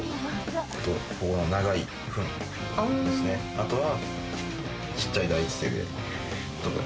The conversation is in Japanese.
あとは。